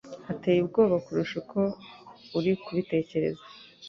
Hateye ubwoba kurusha uko uri kubitekereza.